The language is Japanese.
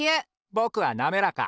ぼくはなめらか！